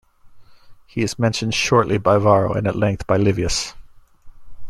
He is mentioned shortly by Varro and at length by Livius.